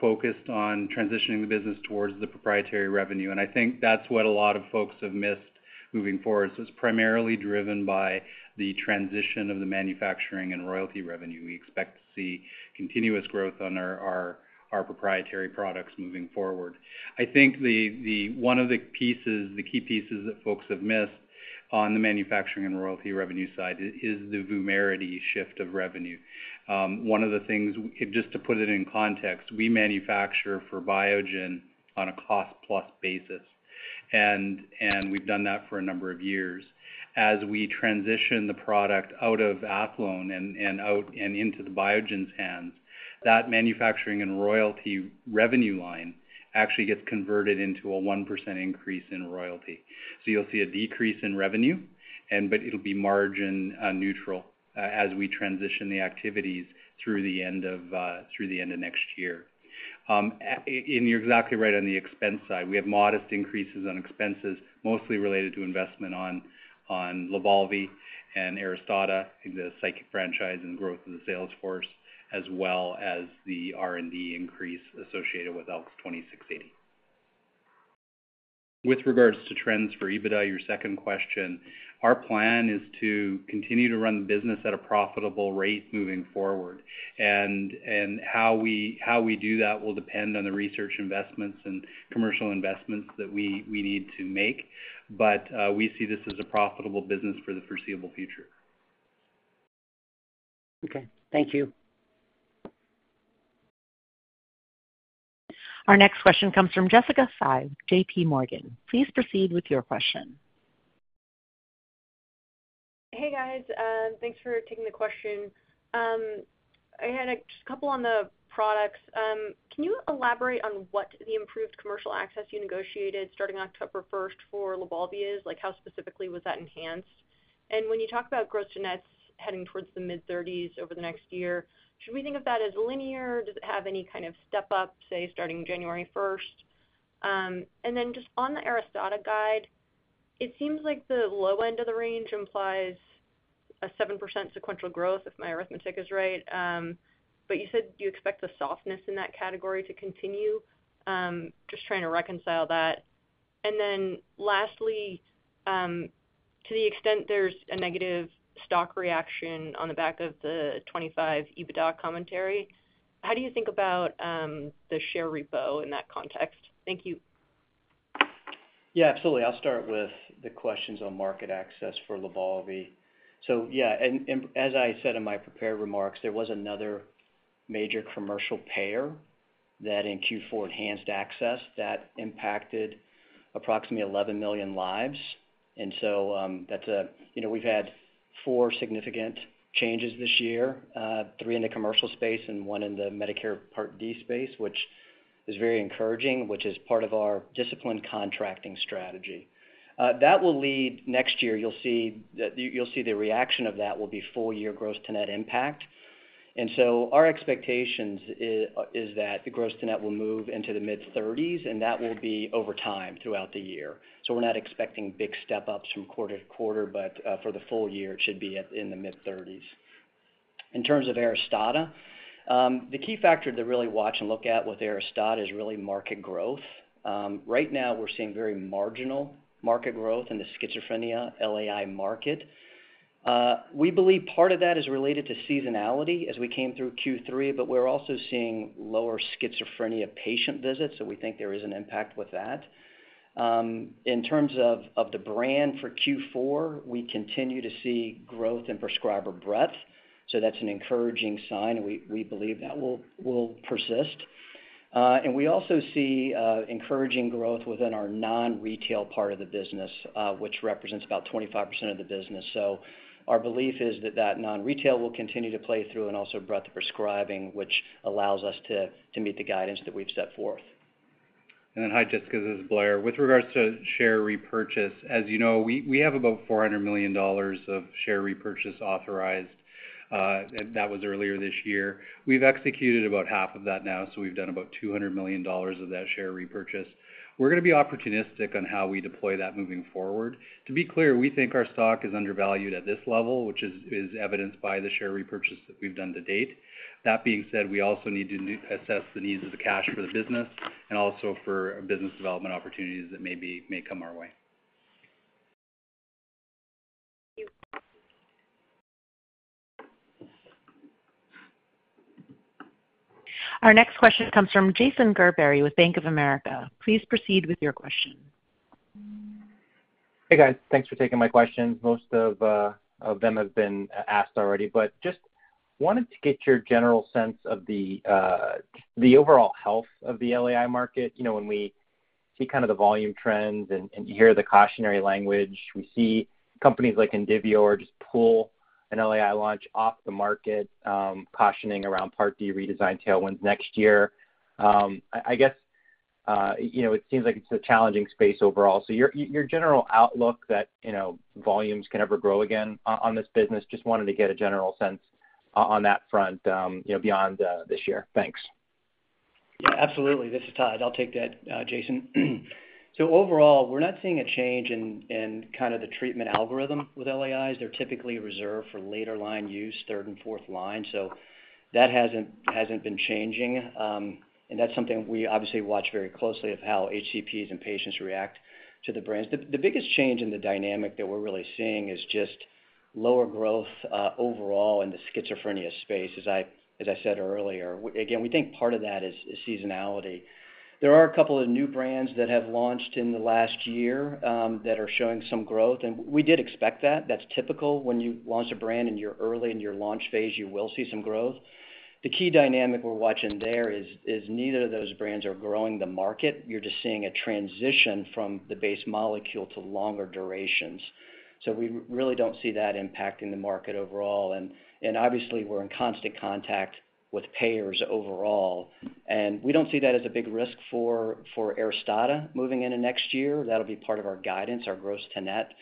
focused on transitioning the business towards the proprietary revenue, and I think that's what a lot of folks have missed moving forward. So it's primarily driven by the transition of the manufacturing and royalty revenue. We expect to see continuous growth on our proprietary products moving forward. I think the one of the key pieces that folks have missed on the manufacturing and royalty revenue side is the VUMERITY shift of revenue. One of the things, just to put it in context, we manufacture for Biogen on a cost-plus basis, and we've done that for a number of years. As we transition the product out of Athlone and out into Biogen's hands, that manufacturing and royalty revenue line actually gets converted into a 1% increase in royalty. So you'll see a decrease in revenue, and but it'll be margin neutral, as we transition the activities through the end of next year. And you're exactly right on the expense side. We have modest increases on expenses, mostly related to investment on LYBALVI and ARISTADA, the psych franchise and growth of the sales force, as well as the R&D increase associated with ALKS 2680. With regards to trends for EBITDA, your second question, our plan is to continue to run the business at a profitable rate moving forward. And how we do that will depend on the research investments and commercial investments that we need to make. But we see this as a profitable business for the foreseeable future. Okay, thank you. Our next question comes from Jessica Fye, J.P. Morgan. Please proceed with your question. Hey, guys, thanks for taking the question. I had just a couple on the products. Can you elaborate on what the improved commercial access you negotiated starting October first for LYBALVI is? Like, how specifically was that enhanced? And when you talk about gross to nets heading towards the mid-thirties over the next year, should we think of that as linear, or does it have any kind of step up, say, starting January first? And then just on the ARISTADA guide, it seems like the low end of the range implies a 7% sequential growth, if my arithmetic is right. But you said you expect the softness in that category to continue. Just trying to reconcile that. And then lastly, to the extent there's a negative stock reaction on the back of the 25 EBITDA commentary, how do you think about the share repo in that context? Thank you. Yeah, absolutely. I'll start with the questions on market access for LYBALVI. So yeah, and as I said in my prepared remarks, there was another major commercial payer that in Q4 enhanced access that impacted approximately 11 million lives. And so, that's a... You know, we've had 4 significant changes this year, three in the commercial space and one in the Medicare Part D space, which is very encouraging, which is part of our disciplined contracting strategy. That will lead, next year, you'll see the reaction of that will be full year gross to net impact. And so our expectations is that the gross to net will move into the mid-thirties, and that will be over time throughout the year. So we're not expecting big step-ups from quarter-to-quarter, but, for the full year, it should be at, in the mid-thirties. In terms of ARISTADA, the key factor to really watch and look at with ARISTADA is really market growth. Right now, we're seeing very marginal market growth in the schizophrenia LAI market. We believe part of that is related to seasonality as we came through Q3, but we're also seeing lower schizophrenia patient visits, so we think there is an impact with that. In terms of the brand for Q4, we continue to see growth in prescriber breadth, so that's an encouraging sign, and we believe that will persist. And we also see encouraging growth within our non-retail part of the business, which represents about 25% of the business. So our belief is that non-retail will continue to play through and also breadth of prescribing, which allows us to meet the guidance that we've set forth. Hi, Jessica, this is Blair. With regards to share repurchase, as you know, we have about $400 million of share repurchase authorized, and that was earlier this year. We've executed about half of that now, so we've done about $200 million of that share repurchase. We're gonna be opportunistic on how we deploy that moving forward. To be clear, we think our stock is undervalued at this level, which is evidenced by the share repurchase that we've done to date. That being said, we also need to assess the needs of the cash for the business and also for business development opportunities that may come our way. ... Our next question comes from Jason Gerberry with Bank of America. Please proceed with your question. Hey, guys. Thanks for taking my questions. Most of them have been asked already, but just wanted to get your general sense of the overall health of the LAI market. You know, when we see kind of the volume trends and you hear the cautionary language, we see companies like Indivior just pull an LAI launch off the market, cautioning around Part D redesign tailwinds next year. I guess, you know, it seems like it's a challenging space overall. So your general outlook that, you know, volumes can ever grow again on this business, just wanted to get a general sense on that front, you know, beyond this year. Thanks. Yeah, absolutely. This is Todd. I'll take that, Jason. So overall, we're not seeing a change in the treatment algorithm with LAIs. They're typically reserved for later line use, third and fourth line, so that hasn't been changing, and that's something we obviously watch very closely of how HCPs and patients react to the brands. The biggest change in the dynamic that we're really seeing is just lower growth overall in the schizophrenia space, as I said earlier. Again, we think part of that is seasonality. There are a couple of new brands that have launched in the last year that are showing some growth, and we did expect that. That's typical. When you launch a brand and you're early in your launch phase, you will see some growth. The key dynamic we're watching there is neither of those brands are growing the market. You're just seeing a transition from the base molecule to longer durations. So we really don't see that impacting the market overall. And obviously, we're in constant contact with payers overall, and we don't see that as a big risk for ARISTADA moving into next year. That'll be part of our guidance, our gross-to-net.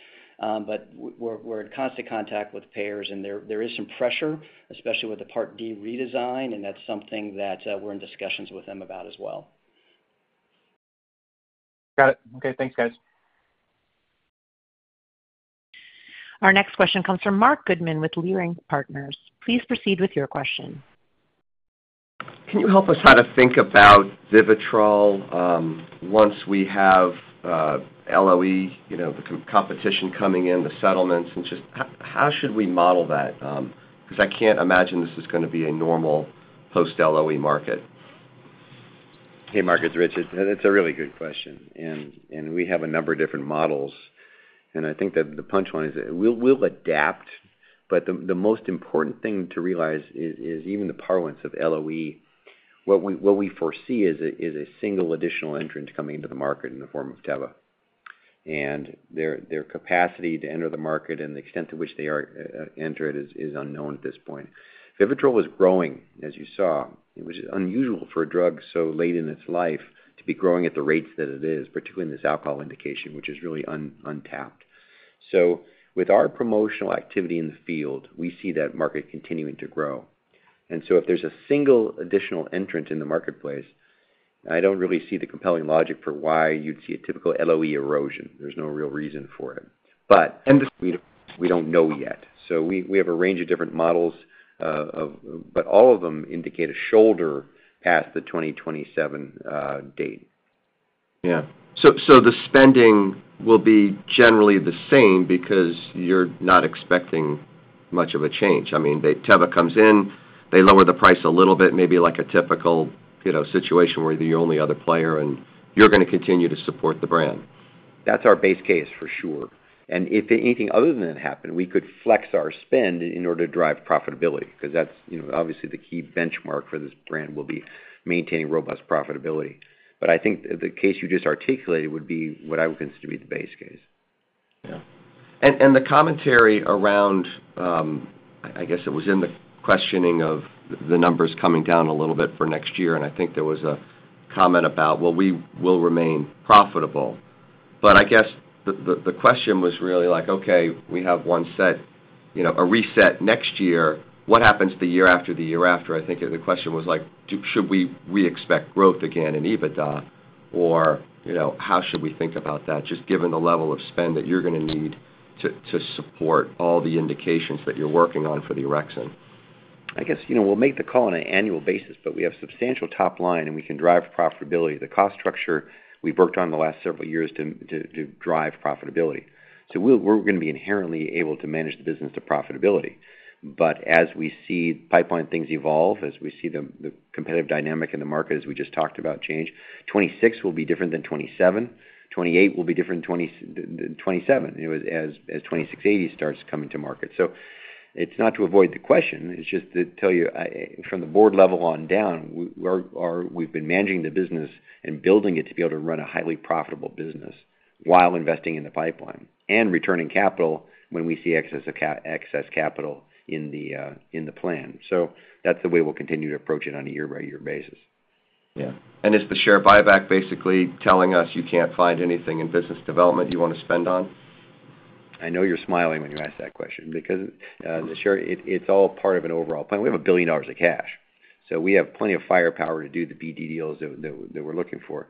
But we're in constant contact with payers, and there is some pressure, especially with the Part D redesign, and that's something that we're in discussions with them about as well. Got it. Okay. Thanks, guys. Our next question comes from Marc Goodman with Leerink Partners. Please proceed with your question. Can you help us how to think about VIVITROL, once we have LOE, you know, the competition coming in, the settlements, and just how should we model that? Because I can't imagine this is gonna be a normal post-LOE market. Hey, Mark, it's Rich. It's a really good question, and we have a number of different models, and I think that the punchline is we'll adapt, but the most important thing to realize is even the parlance of LOE. What we foresee is a single additional entrant coming into the market in the form of Teva. And their capacity to enter the market and the extent to which they enter it is unknown at this point. VIVITROL was growing, as you saw. It was unusual for a drug so late in its life to be growing at the rates that it is, particularly in this alcohol indication, which is really untapped. So with our promotional activity in the field, we see that market continuing to grow. And so if there's a single additional entrant in the marketplace, I don't really see the compelling logic for why you'd see a typical LOE erosion. There's no real reason for it. But we don't know yet, so we have a range of different models. But all of them indicate a shoulder past the 2027 date. Yeah. So the spending will be generally the same because you're not expecting much of a change. I mean, they, Teva comes in, they lower the price a little bit, maybe like a typical, you know, situation where you're the only other player, and you're gonna continue to support the brand. That's our base case, for sure. And if anything other than that happened, we could flex our spend in order to drive profitability, because that's, you know, obviously, the key benchmark for this brand will be maintaining robust profitability. But I think the case you just articulated would be what I would consider to be the base case. Yeah. And the commentary around, I guess it was in the questioning of the numbers coming down a little bit for next year, and I think there was a comment about, well, we will remain profitable. But I guess the question was really like, okay, we have one set, you know, a reset next year. What happens the year after the year after? I think the question was like, should we reexpect growth again in EBITDA? Or, you know, how should we think about that, just given the level of spend that you're gonna need to support all the indications that you're working on for the orexin? I guess, you know, we'll make the call on an annual basis, but we have substantial top line, and we can drive profitability. The cost structure, we've worked on the last several years to drive profitability. So we'll—we're gonna be inherently able to manage the business to profitability. But as we see pipeline things evolve, as we see the competitive dynamic in the market, as we just talked about change, 2026 will be different than 2027, 2028 will be different than 2027, you know, as 2680 starts coming to market. It's not to avoid the question. It's just to tell you, from the board level on down, we're, or we've been managing the business and building it to be able to run a highly profitable business while investing in the pipeline and returning capital when we see excess capital in the plan. That's the way we'll continue to approach it on a year-by-year basis. Yeah, and is the share buyback basically telling us you can't find anything in business development you want to spend on? I know you're smiling when you ask that question because, sure, it's all part of an overall plan. We have $1 billion of cash, so we have plenty of firepower to do the BD deals that we're looking for.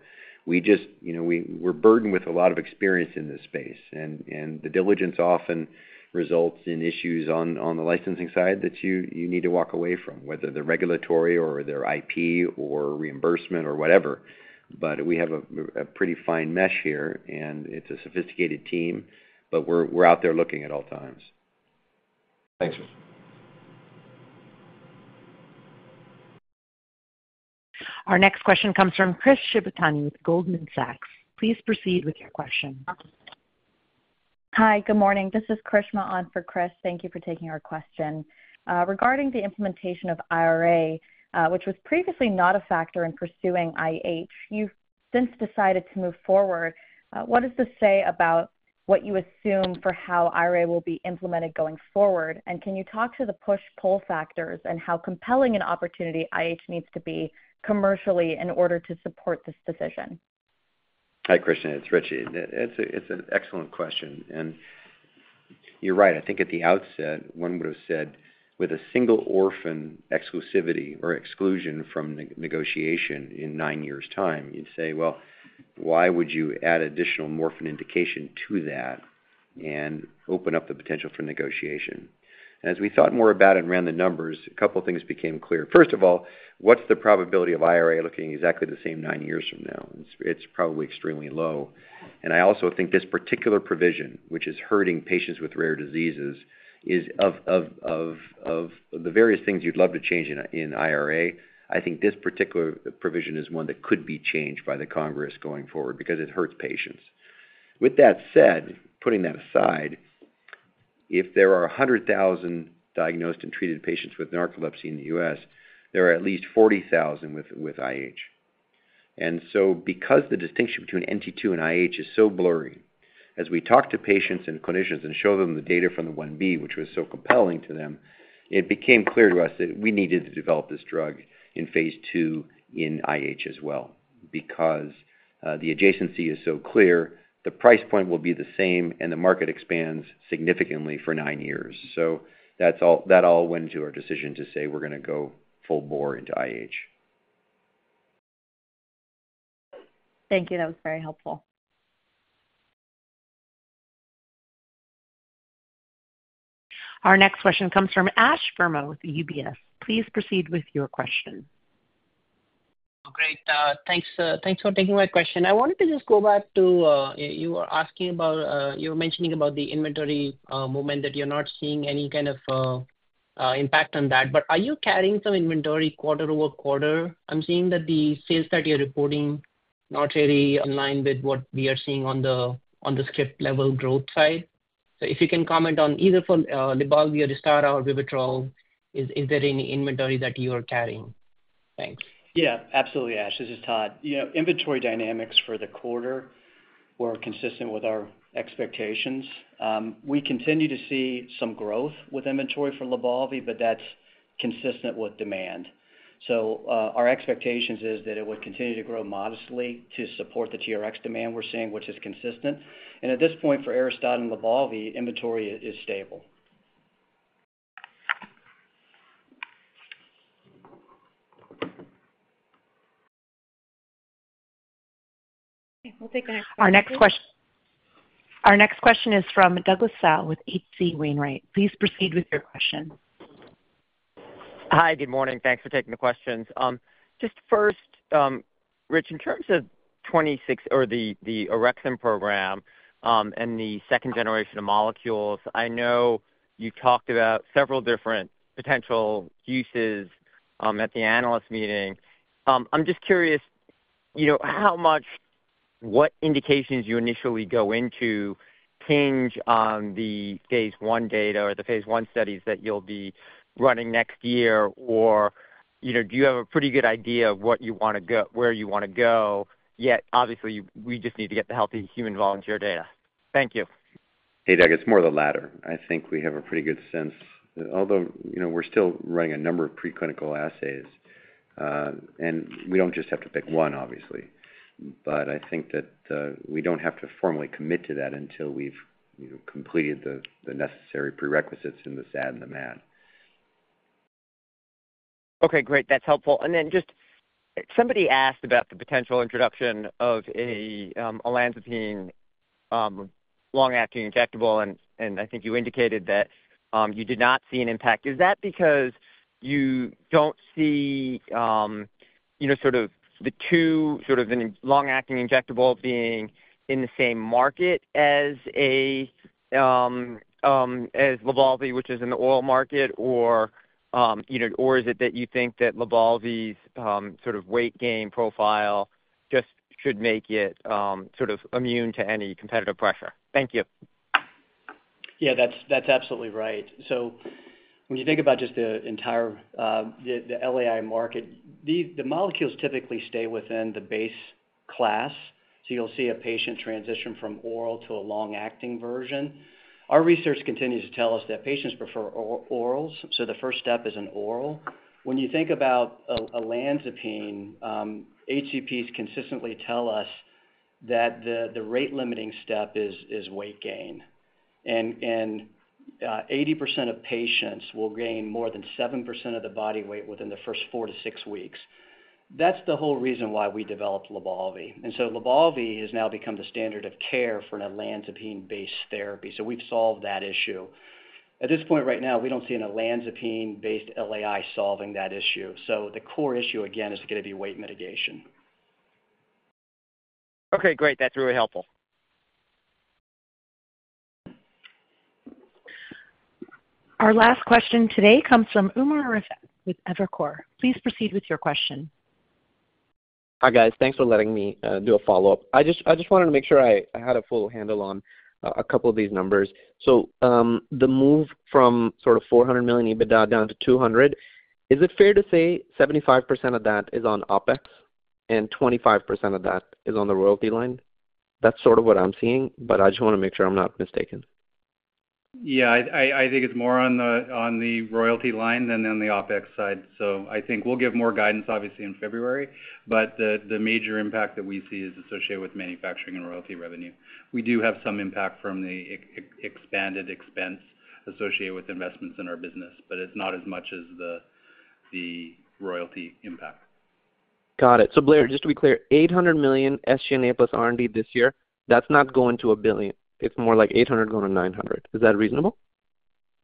We just, you know, we're burdened with a lot of experience in this space, and the diligence often results in issues on the licensing side that you need to walk away from, whether they're regulatory or they're IP or reimbursement or whatever. But we have a pretty fine mesh here, and it's a sophisticated team, but we're out there looking at all times. Thanks. Our next question comes from Chris Shibutani with Goldman Sachs. Please proceed with your question. Hi, good morning. This is Krishna on for Chris. Thank you for taking our question. Regarding the implementation of IRA, which was previously not a factor in pursuing IH, you've since decided to move forward. What does this say about what you assume for how IRA will be implemented going forward? And can you talk to the push-pull factors and how compelling an opportunity IH needs to be commercially in order to support this decision? Hi, Krishna, it's Richie. It's an excellent question, and you're right. I think at the outset, one would have said with a single orphan exclusivity or exclusion from negotiation in nine years' time, you'd say, "Well, why would you add additional orphan indication to that and open up the potential for negotiation?" As we thought more about it and ran the numbers, a couple of things became clear. First of all, what's the probability of IRA looking exactly the same nine years from now? It's probably extremely low. And I also think this particular provision, which is hurting patients with rare diseases, is of the various things you'd love to change in IRA. I think this particular provision is one that could be changed by the Congress going forward because it hurts patients. With that said, putting that aside, if there are a hundred thousand diagnosed and treated patients with narcolepsy in the US, there are at least forty thousand with IH. And so because the distinction between NT two and IH is so blurry, as we talk to patients and clinicians and show them the data from the 1b, which was so compelling to them, it became clear to us that we needed to develop this drug in phase two in IH as well, because the adjacency is so clear, the price point will be the same, and the market expands significantly for nine years. So that's all, that all went into our decision to say, we're gonna go full bore into IH. Thank you. That was very helpful. Our next question comes from Ash Verma with UBS. Please proceed with your question. Great. Thanks for taking my question. I wanted to just go back to, you were asking about, you were mentioning about the inventory movement, that you're not seeing any kind of impact on that. But are you carrying some inventory quarter-over-quarter? I'm seeing that the sales that you're reporting, not really in line with what we are seeing on the script level growth side. So if you can comment on either for LYBALVI or ARISTADA or Vivitrol, is there any inventory that you are carrying? Thanks. Yeah, absolutely, Ash. This is Todd. Yeah, inventory dynamics for the quarter were consistent with our expectations. We continue to see some growth with inventory for LYBALVI, but that's consistent with demand. Our expectations is that it would continue to grow modestly to support the TRX demand we're seeing, which is consistent. And at this point, for ARISTADA and LYBALVI, inventory is stable. Okay, we'll take the next- Our next question is from Douglas Tsao with H.C. Wainwright. Please proceed with your question. Hi, good morning. Thanks for taking the questions. Just first, Rich, in terms of 2026 or the Orexin program, and the second generation of molecules, I know you talked about several different potential uses at the analyst meeting. I'm just curious, you know, how much what indications you initially go into hinge on the phase one data or the phase one studies that you'll be running next year, or, you know, do you have a pretty good idea of what you wanna go where you wanna go, yet, obviously, you know, we just need to get the healthy human volunteer data. Thank you. Hey, Doug, it's more of the latter. I think we have a pretty good sense, although, you know, we're still running a number of preclinical assays, and we don't just have to pick one, obviously. But I think that, we don't have to formally commit to that until we've, you know, completed the necessary prerequisites in the SAD and the MAD. Okay, great. That's helpful. And then just somebody asked about the potential introduction of a olanzapine long-acting injectable, and I think you indicated that you did not see an impact. Is that because you don't see, you know, sort of the two, sort of a long-acting injectable being in the same market as LYBALVI, which is an oral market, or, you know, or is it that you think that LYBALVI's sort of weight gain profile just should make it sort of immune to any competitive pressure? Thank you. Yeah, that's, that's absolutely right. So when you think about just the entire LAI market, the molecules typically stay within the base class, so you'll see a patient transition from oral to a long-acting version. Our research continues to tell us that patients prefer orals, so the first step is an oral. When you think about olanzapine, HCPs consistently tell us that the rate-limiting step is weight gain. And 80% of patients will gain more than 7% of the body weight within the first four to six weeks. That's the whole reason why we developed LYBALVI. And so LYBALVI has now become the standard of care for an olanzapine-based therapy, so we've solved that issue. At this point right now, we don't see an olanzapine-based LAI solving that issue. So the core issue, again, is gonna be weight mitigation. Okay, great. That's really helpful. Our last question today comes from Umer Raffat with Evercore ISI. Please proceed with your question. Hi, guys. Thanks for letting me do a follow-up. I just wanted to make sure I had a full handle on a couple of these numbers. So, the move from sort of $400 million EBITDA down to $200, is it fair to say 75% of that is on OpEx and 25% of that is on the royalty line? That's sort of what I'm seeing, but I just wanna make sure I'm not mistaken. Yeah, I think it's more on the royalty line than on the OpEx side. So I think we'll give more guidance, obviously, in February, but the major impact that we see is associated with manufacturing and royalty revenue. We do have some impact from the expanded expense associated with investments in our business, but it's not as much as the royalty impact. Got it. So Blair, just to be clear, $800 million SG&A plus R&D this year, that's not going to $1 billion. It's more like $800 million going to $900 million. Is that reasonable?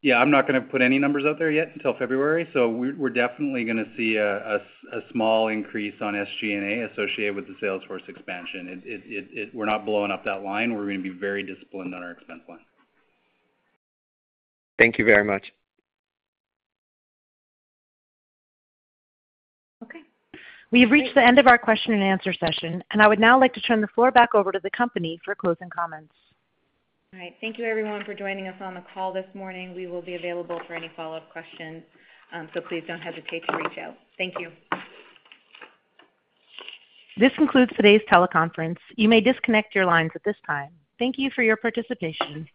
Yeah, I'm not gonna put any numbers out there yet until February, so we're definitely gonna see a small increase on SG&A associated with the sales force expansion. It-- we're not blowing up that line. We're gonna be very disciplined on our expense line. Thank you very much. Okay. We have reached the end of our question and answer session, and I would now like to turn the floor back over to the company for closing comments. All right. Thank you, everyone, for joining us on the call this morning. We will be available for any follow-up questions, so please don't hesitate to reach out. Thank you. This concludes today's teleconference. You may disconnect your lines at this time. Thank you for your participation.